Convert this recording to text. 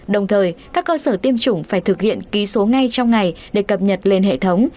đồng thời các cơ sở tiêm chủng phải thực hiện ký số ngay trong ngày để cập nhật lên hệ thống